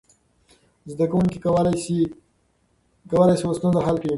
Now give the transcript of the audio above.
زده کوونکي کولی شول ستونزه حل کړي.